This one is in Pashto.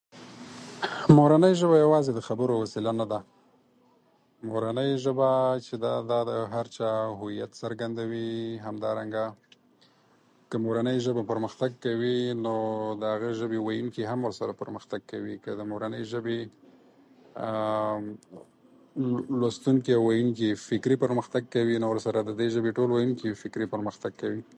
مورنۍ ژبه یوازې د خبرو وسیله نه ده. مورنۍ ژبه چې ده، دا د هغه چا هویت څرګندوي. همدارنګه که مورنۍ ژبه پرمختګ کوي، نو د هغې ژبې ویونکي هم ورسره پرمختګ کوي. که د مورنۍ ژبې لوستونکي او ویونکي فکري پرمختګ کوي، نو ورسره د دې ژبې ټول ویونکي فکري پرمختګ کوي.